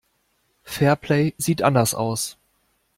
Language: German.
Fairplay sieht anders aus.